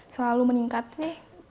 selalu meningkat sih